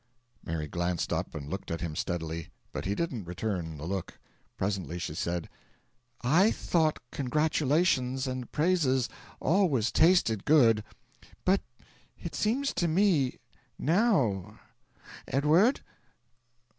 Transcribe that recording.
Mary glanced up and looked at him steadily, but he didn't return the look. Presently she said: "I thought congratulations and praises always tasted good. But it seems to me, now Edward?"